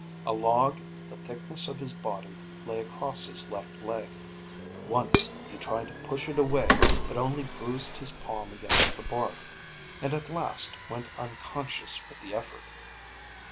A log the thickness of his body lay across his left leg. Once he tried to push it away but only bruised his palm against the bark, and at last went unconscious with the effort.